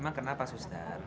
emang kenapa suster